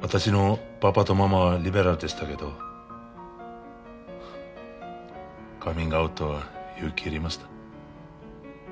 私のパパとママはリベラルでしたけどカミングアウトは勇気いりました。